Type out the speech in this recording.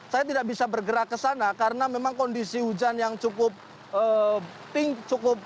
saya tidak bisa bergerak ke sana karena memang kondisi hujan yang cukup ping cukup